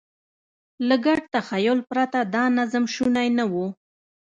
له ګډ تخیل پرته دا نظم شونی نه و.